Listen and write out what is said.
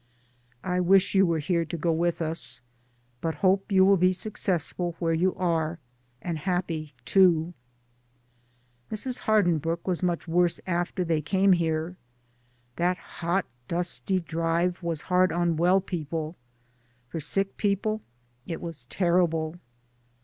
I wish you were here to go with us, but hope you will be successful where you are, and happy too. Mrs. Hardinbrooke was much worse after they came here. That hot, dusty drive was hard on well people; for sick people it was terrible.